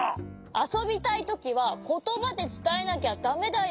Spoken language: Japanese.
あそびたいときはことばでつたえなきゃだめだよ！